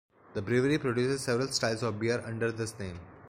The brewery produces several styles of beer under this name.